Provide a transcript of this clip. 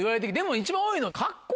一番多いの？